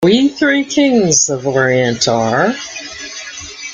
We three Kings of Orient are.